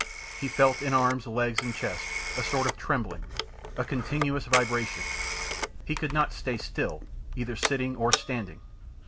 He felt, in arms, legs and chest, a sort of trembling a continuous vibration; he could not stay still, either sitting or standing.